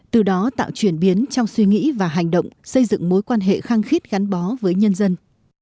từ đó tạo chuyển biến trong suy nghĩ và hành động xây dựng mối quan hệ khăng khít gắn bó với nhân dân